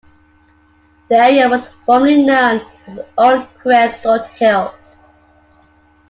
The area was formerly known as Old Creosote Hill.